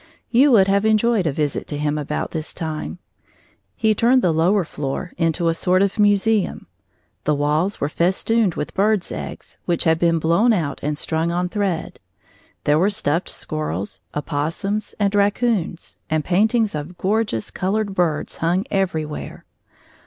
You would have enjoyed a visit to him about this time. He turned the lower floor into a sort of museum. The walls were festooned with birds' eggs, which had been blown out and strung on thread. There were stuffed squirrels, opossums, and racoons; and paintings of gorgeous colored birds hung everywhere.